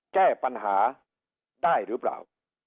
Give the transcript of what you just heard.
แก้ปัญหาได้หรือเปล่า